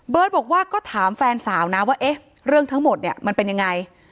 บอกว่าก็ถามแฟนสาวนะว่าเอ๊ะเรื่องทั้งหมดเนี่ยมันเป็นยังไง